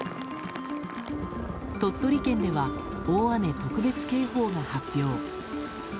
鳥取県では、大雨特別警報が発表。